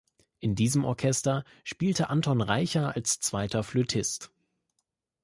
In diesem Orchester spielte Anton Reicha als zweiter Flötist.